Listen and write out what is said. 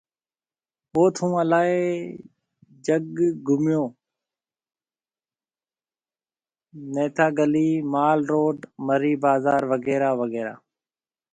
اوٿ هون الاهي جگه گھميو، نٿيا گلي، مال روڊ، مري بازار وغيره وغيره